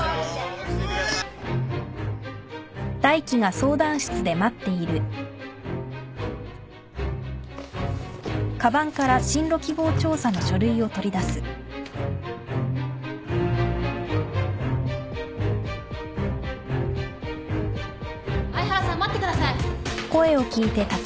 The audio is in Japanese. ・相原さん待ってください。